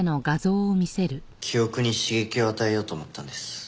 記憶に刺激を与えようと思ったんです。